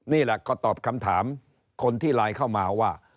นี่แหละก็ตอบคำถามคนที่ไลน์เข้ามาว่า